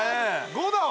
５だわ！